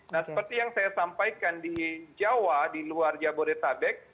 nah seperti yang saya sampaikan di jawa di luar jabodetabek